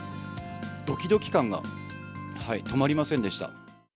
どきどき感が止まりませんでした。